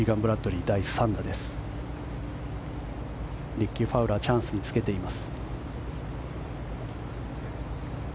リッキー・ファウラーチャンスにつけています。